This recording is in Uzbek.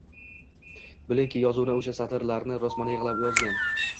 bilingki, yozuvchi o’sha satrlarni rosmana yig’lab yozgan…